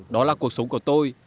đó là cuộc sống của tôi